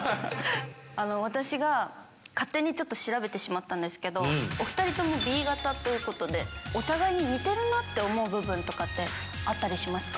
私が勝手にちょっと調べてしまったんですけど、お２人ともＢ型ということで、お互いに似てるなって思う部分とかって、あったりしますか？